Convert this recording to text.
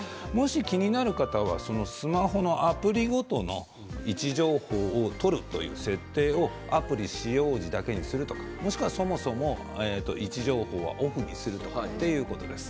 気になる方はスマホのアプリごとに位置情報を取るという設定をアプリ使用時にするとかそもそも位置情報をオフにするということです。